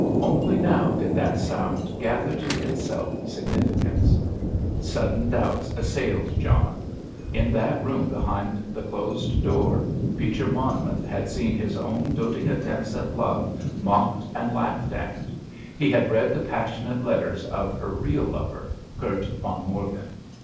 Only now did that sound gather to itself significance. Sudden doubts assailed John. In that room behind the closed door Beecher Monmouth had seen his own doting attempts at love mocked and laughed at; he had read the passionate letters of her real lover, Kurt von Morgen.